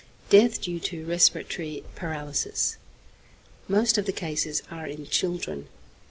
Death due to respiratory paralysis. Most of the cases are in children.